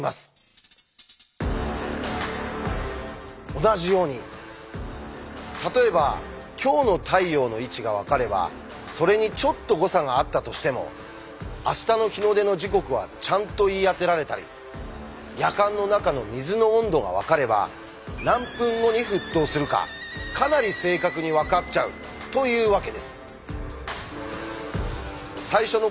だから同じように例えば今日の太陽の位置が分かればそれにちょっと誤差があったとしても明日の日の出の時刻はちゃんと言い当てられたりやかんの中の水の温度が分かれば何分後に沸騰するかかなり正確に分かっちゃうというわけです。